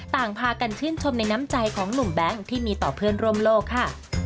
ต่างพากันชื่นชมในน้ำใจของหนุ่มแบงค์ที่มีต่อเพื่อนร่วมโลกค่ะ